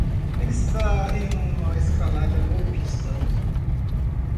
Ele está em uma escalada golpista